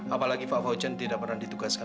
apalagi pak fauzan tidak pernah ditugaskan